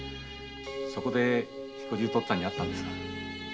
そこで彦十とっつぁんに会ったんです。